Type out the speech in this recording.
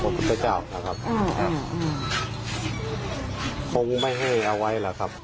พระพุทธเจ้านะครับอืมอืมผมไม่ให้เอาไว้หรอกครับ